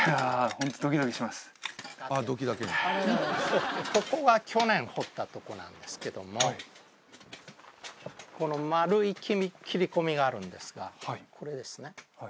ホントここは去年掘ったとこなんですけどもこの丸い切れ込みがあるんですがこれですね